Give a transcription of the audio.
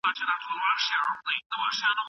که د تعلیم سطحه لوړه سي، نو اوږدمهاله ګټې به وي.